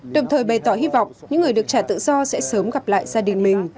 đồng thời bày tỏ hy vọng những người được trả tự do